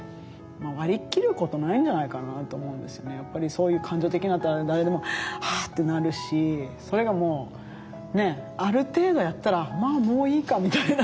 そういう感情的になったら誰でもあってなるしそれがもうある程度やったらまあもういいかみたいな。